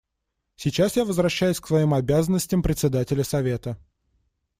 Сейчас я возвращаюсь к своим обязанностям Председателя Совета.